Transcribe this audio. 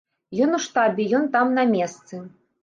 Ён у штабе, ён там на месцы.